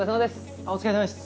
あっお疲れさまです。